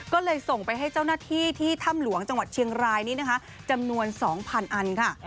ก็เลยส่งไปให้เจ้าหน้าที่ที่ถ้ำหลวงจังหวัดเชียงรายนี้นะคะจำนวน๒๐๐อันค่ะ